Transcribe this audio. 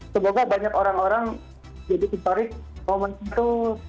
semoga banyak orang orang jadi kisah dari momen itu